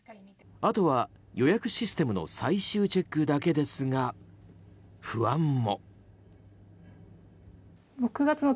あとは予約システムの最終チェックだけですが不安も。